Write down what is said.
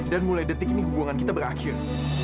dan mulai detik ini hubungan kita berakhir